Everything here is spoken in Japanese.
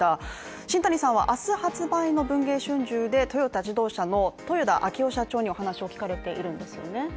新谷さんは明日発売の「文藝春秋」でトヨタ自動車の豊田章雄社長にお話を聞かれているんですよね。